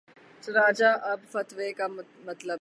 چنانچہ اب فتوے کا مطلب ہی